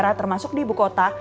kita lihat berikutnya